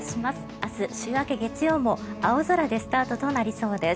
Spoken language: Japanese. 明日、週明け月曜も青空でスタートとなりそうです。